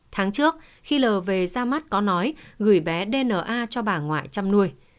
tháng trước khi l về ra mắt có nói gửi bé dna cho bà ngoại chăm nuôi